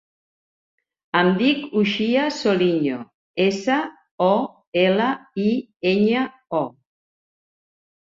Em dic Uxia Soliño: essa, o, ela, i, enya, o.